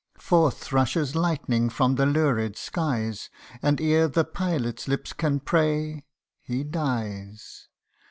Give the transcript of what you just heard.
Forth rushes lightning from the lurid skies, And ere the pilot's lips can pray, he dies